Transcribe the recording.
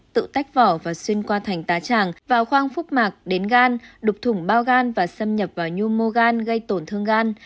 tự tách vỏ và xuyên qua thành tá tràng vào khoang phúc mạc đến gan đục thủng bao gan và xâm nhập vào nhu môgan gây tổn thương gan